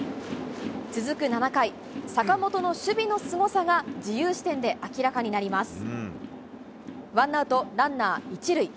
続く７回、坂本の守備のすごさが自由視点で明らかになります。